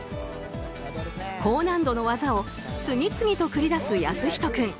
高難度の技を次々と繰り出す靖仁君。